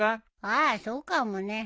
ああそうかもね。